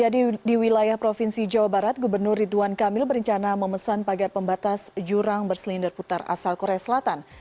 di wilayah provinsi jawa barat gubernur ridwan kamil berencana memesan pagar pembatas jurang berselinder putar asal korea selatan